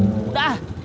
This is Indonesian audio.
sini kang helmnya kang